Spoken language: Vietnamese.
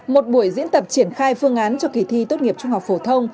một buổi diễn tập triển khai phương án cho kỳ thi tốt nghiệp trung học phổ thông